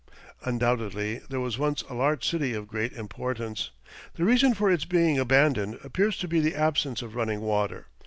Undoubtedly here was once a large city of great importance. The reason for its being abandoned appears to be the absence of running water.